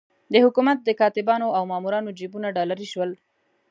د حکومت د کاتبانو او مامورانو جېبونه ډالري شول.